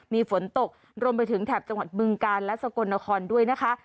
มีฝนตกรวมไปถึงแถบจังหวัดบึงกาลและสกลนครด้วยนะคะ